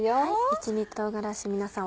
一味唐辛子皆さん